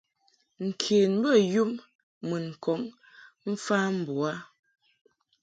Nken bey um mun kɔŋ mfa mbo u a.